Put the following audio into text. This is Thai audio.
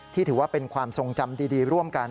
ถือว่าเป็นความทรงจำดีร่วมกัน